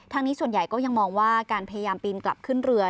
นี้ส่วนใหญ่ก็ยังมองว่าการพยายามปีนกลับขึ้นเรือ